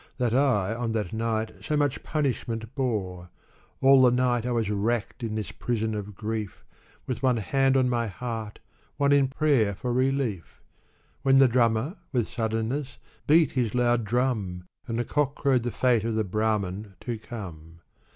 That I on that night so much punishment bore All the night I was racked in this prison of grief, With one hand on my heart, one in prayer for relief ; When the drummer, with suddenness, beat hk loud drum, And the cock crowed the fate of the Brahmin to come.